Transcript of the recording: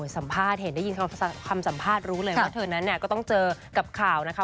สัมภาษณ์เห็นได้ยินคำสัมภาษณ์รู้เลยว่าเธอนั้นเนี่ยก็ต้องเจอกับข่าวนะคะ